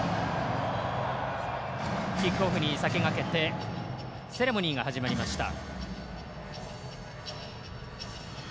キックオフに先駆けてセレモニーが始まりました。